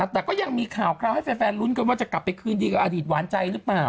แต่ก็ก็ยังมีข่าวให้แฟนรุ้นว่าจะเกิดไปคืนดีกับอดีตหวานใจหรือเป่า